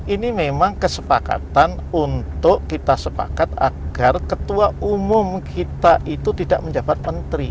ini memang kesepakatan untuk kita sepakat agar ketua umum kita itu tidak menjabat menteri